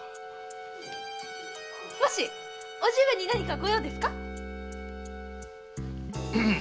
もし叔父上に何かご用ですか？